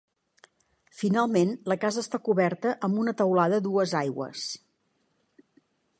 Finalment, la casa està coberta amb una teulada a dues aigües.